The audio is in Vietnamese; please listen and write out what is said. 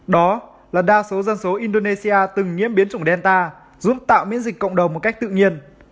đó là đa số dân số indonesia từng nhiễm biến chủng delta giúp tạo miễn dịch cộng đồng một cách tự nhiên